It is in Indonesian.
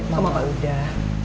mama mau udang